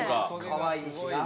かわいいしな。